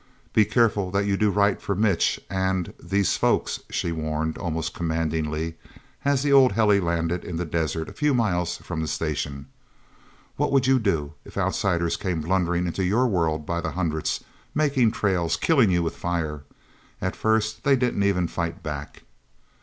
"Be careful that you do right for Mitch and these folks," she warned almost commandingly as the old heli landed in the desert a few miles from the Station. "What would you do if outsiders came blundering into your world by the hundreds, making trails, killing you with fire? At first, they didn't even fight back."